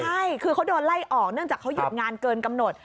ใช่คือเขาโดนไล่ออกเนื่องจากเขาหยุดงานเกินกำหนด